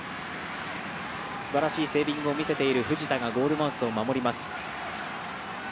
すばらしいセービングを見せている藤田がゴールを守ります。